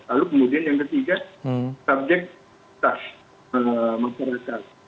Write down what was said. lalu kemudian yang ketiga subjek tas masyarakat